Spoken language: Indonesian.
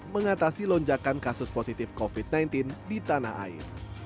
mengatasi lonjakan kasus positif covid sembilan belas di tanah air